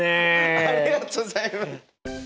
ありがとうございます！